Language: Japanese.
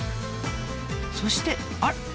そしてあっ！